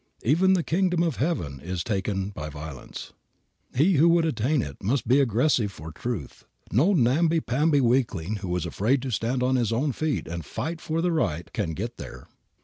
Even the kingdom of heaven is taken by violence. He who would attain it must be aggressive for truth. No namby pamby weakling who is afraid to stand on his own feet and fight for the right can get there.